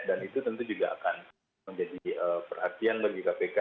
dan itu tentu juga akan menjadi perhatian bagi kpk